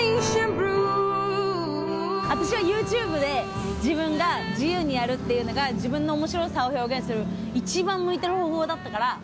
私はＹｏｕＴｕｂｅで自分が自由にやるっていうのが自分の面白さを表現する一番向いてる方法だったから。